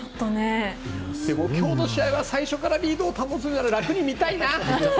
今日の試合は最初からリードを保って楽に見たいな。